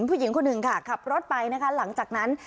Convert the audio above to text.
ผู้หญิงคนหนึ่งค่ะขับรถไปนะคะหลังจากนั้น